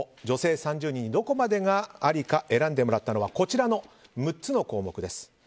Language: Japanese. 女性３０人にどこまでがありか選んでもらったのがこちらの６つの項目です。